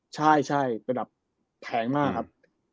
ใช่ใช่เป็นดับแพงมากครับ